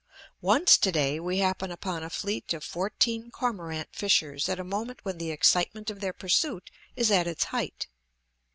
Once to day we happen upon a fleet of fourteen cormorant fishers at a moment when the excitement of their pursuit is at its height.